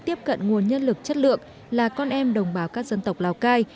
tiếp cận nguồn nhân lực chất lượng là con em đồng bào các dân tộc lào cai